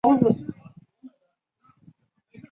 小距紫堇为罂粟科紫堇属下的一个种。